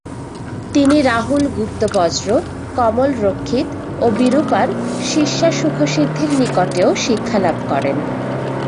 তিনি রাহুলগুপ্তবজ্র, কমলরক্ষিত ও বিরূপার শিষ্যা সুখসিদ্ধির নিকটেও শিক্ষালাভ করেন।